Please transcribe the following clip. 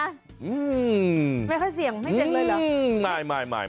ไม่ค่อยเสี่ยงไม่เสี่ยงเลยเหรอ